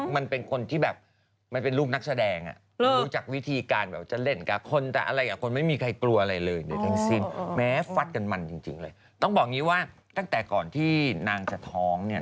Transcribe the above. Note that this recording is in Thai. มันแล้วเมนว์แปดเน่ะบอกตรงนะสามเดือนแล้วบอกว่าตกลงเนี้ย